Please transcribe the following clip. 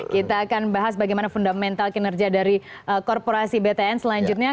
kita akan bahas bagaimana fundamental kinerja dari korporasi btn selanjutnya